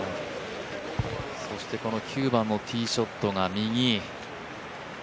そしてこの９番のティーショットが右。